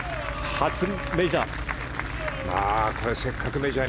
初メジャー。